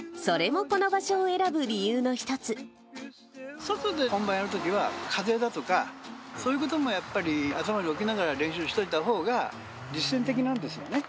でも、外で本番やるときは、風だとか、そういうこともやっぱり頭に置きながら練習しといたほうが、実践的なんですよね。